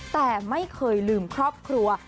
แต่ไม่เคยลืมครอบครัว